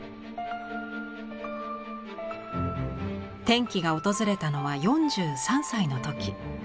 転機が訪れたのは４３歳の時。